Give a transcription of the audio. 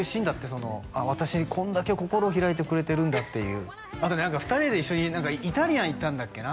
その私こんだけ心開いてくれてるんだっていうあとね何か２人で一緒にイタリアン行ったんだっけな？